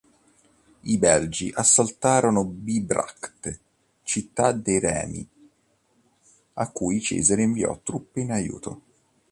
I Belgi assaltarono Bibracte, città dei Remi, a cui Cesare inviò truppe in aiuto.